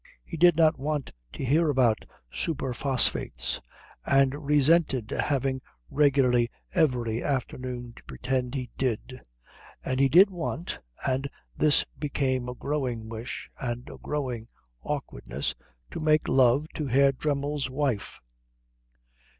He did not want to hear about super phosphates, and resented having regularly every afternoon to pretend he did; and he did want, and this became a growing wish and a growing awkwardness, to make love to Herr Dremmel's wife.